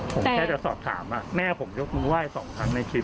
ผมแค่จะสอดถามว่าแม่ผมยกเลี่ยงไหว่สองครั้งในคลิป